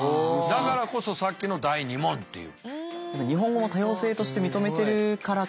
だからこそさっきの第２問っていう。